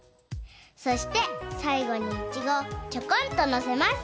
そしてさいごにイチゴをちょこんとのせます。